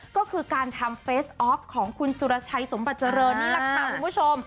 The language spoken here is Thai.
ก็คือการทำเฟสออฟของคุณสุรชัยสมบัติเจริญนี่แหละค่ะคุณผู้ชม